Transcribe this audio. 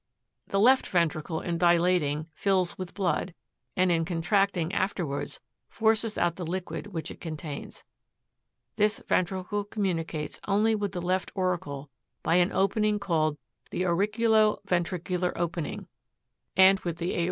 48. The left ventricle in dilating fills with blood, and in con tracting afterwards, forces out the liquid which it contains. 49. This ventricle communicates only with the left auricle by an opening called the ai irivulo rcntriculur opening, and with the 4:2.